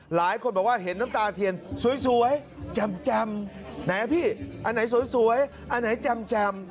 หลายคนบอกว่าเห็นน้ำตาเทียนสวยแจ่มไหนพี่อันไหนสวยอันไหนแจ่ม